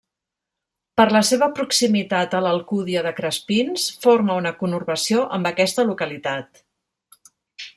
Per la seva proximitat a l'Alcúdia de Crespins forma una conurbació amb aquesta localitat.